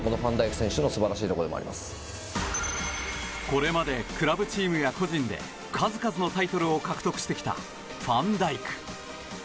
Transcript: これまでクラブチームや個人で数々のタイトルを獲得してきたファン・ダイク。